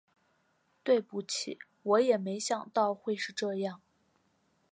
对不起，我也没想到会是这样